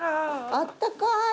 あったかい。